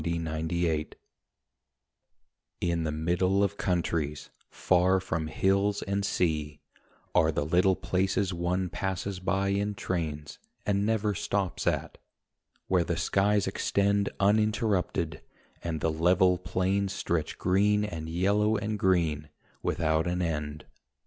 OUT OF THE WINDOW In the middle of countries, far from hills and sea, Are the little places one passes by in trains And never stops at; where the skies extend Uninterrupted, and the level plains Stretch green and yellow and green without an end.